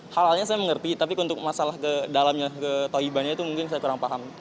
halalnya saya mengerti tapi untuk masalah ke dalamnya ke toyibannya itu mungkin saya kurang paham